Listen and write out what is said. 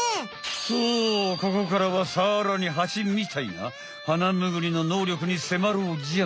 そうここからはさらにハチみたいなハナムグリの能力にせまろうじゃん。